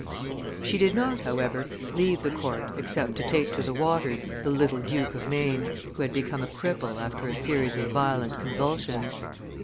She did not, however, leave the court except to take to the waters the little Duke of Maine, who had become a cripple after a series of violent convulsions.